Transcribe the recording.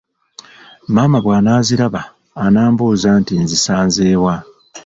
Maama bw'anaaziraba anambuuza nti nzisanze wa?